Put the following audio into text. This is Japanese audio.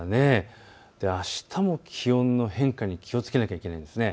あしたも気温の変化に気をつけなきゃいけないんです。